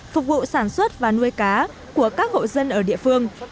phục vụ sản xuất và nuôi cá của các hộ dân ở địa phương